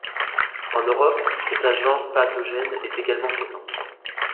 En Europe, cet agent pathogène est également présent.